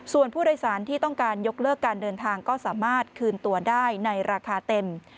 ส่วนผู้โดยสารที่ต้องการยกเลิกการเดินทางก็สามารถคืนตัวได้ในราคาเต็ม